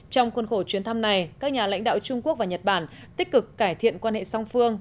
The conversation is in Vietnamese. trong khuôn khổ chuyến thăm này các nhà lãnh đạo trung quốc và nhật bản tích cực cải thiện quan hệ song phương